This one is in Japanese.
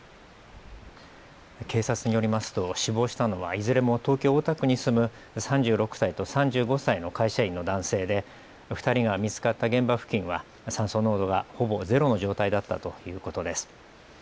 警察によりますと死亡したのはいずれも東京大田区に住む３６歳と３５歳の会社員の男性で２人が見つかった現場付近は酸素濃度がほぼゼロの状態だったということです。